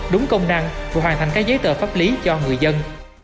đúng công năng và hoàn thành các giấy tờ pháp lý cho người dân